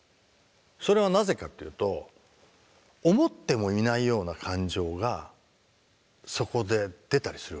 それはなぜかっていうと思ってもいないような感情がそこで出たりするわけ。